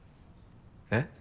えっ？